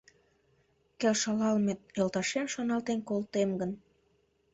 Келшалалме йолташем шоналтен колтем гын